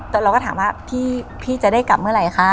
แต่เราก็ถามว่าพี่จะได้กลับเมื่อไหร่คะ